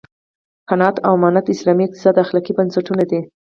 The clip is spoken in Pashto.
قناعت او امانت د اسلامي اقتصاد اخلاقي بنسټونه دي.